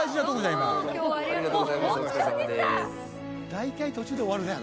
「大体途中で終わるね話」